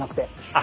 あ！